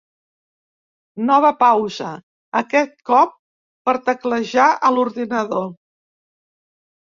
Nova pausa, aquest cop per teclejar a l'ordinador.